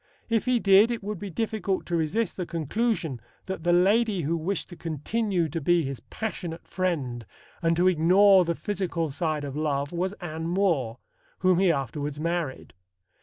If he did, it would be difficult to resist the conclusion that the lady who wished to continue to be his passionate friend and to ignore the physical side of love was Anne More, whom he afterwards married.